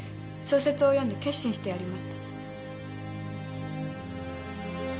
小説を読んで決心してやりました。